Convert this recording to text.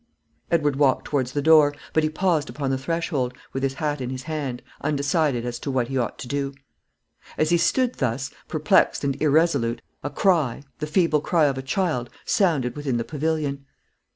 Edward walked towards the door; but he paused upon the threshold, with his hat in his hand, undecided as to what he ought to do. As he stood thus, perplexed and irresolute, a cry, the feeble cry of a child, sounded within the pavilion.